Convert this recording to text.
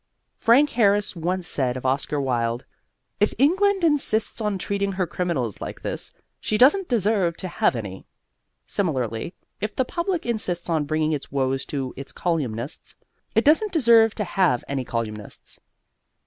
Frank Harris once said of Oscar Wilde: "If England insists on treating her criminals like this, she doesn't deserve to have any." Similarly, if the public insists on bringing its woes to its colyumists, it doesn't deserve to have any colyumists.